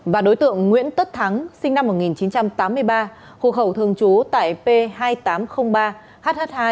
và đối tượng nguyễn tất thắng sinh năm một nghìn chín trăm tám mươi ba hộ khẩu thường trú tại p hai nghìn tám trăm linh ba hh hai